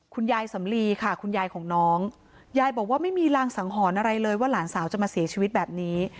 คุณยายสำลีค่ะคุณยายของน้องยายบอกว่าไม่มีรางสังหรณ์อะไรเลยว่าหลานสาวจะมาเสียชีวิตแบบนี้